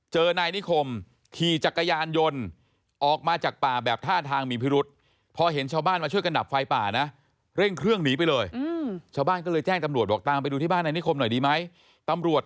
เจอนายนิคมขี่จักรยานยนต์ออกมาจากป่าแบบท่าทางมีพิรุษ